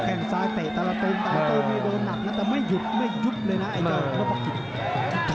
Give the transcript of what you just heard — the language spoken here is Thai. แค่งซ้ายเตะแต่ละตีนตาโตไม่โดนหนักนะแต่ไม่หยุดไม่ยุบเลยนะไอ้เจ้านพกิจ